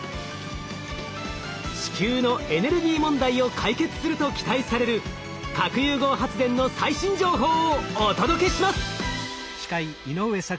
地球のエネルギー問題を解決すると期待される核融合発電の最新情報をお届けします！